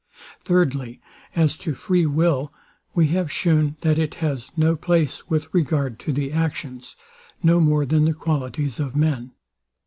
Thirdly, As to free will, we have shewn that it has no place with regard to the actions, no more than the qualities of men.